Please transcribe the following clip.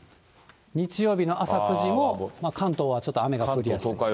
日曜日の朝９時も関東はちょっと雨が降りやすい。